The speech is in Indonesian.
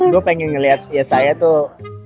gua pengen ngeliat yesaya tuh